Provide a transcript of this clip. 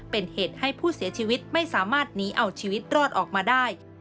เป็นเหตุให้ผู้เสียชีวิตไม่สามารถหนีเอาชีวิตรอดออกมาได้